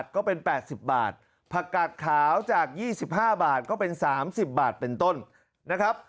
ก็เป็น๘๐บาทผักกาดขาวจาก๒๕บาทก็เป็น๓๐บาทเป็นต้นนะครับ